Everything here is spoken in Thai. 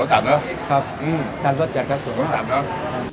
รสจัดเนอะครับอืมชาติรสจัดครับรสจัดเนอะ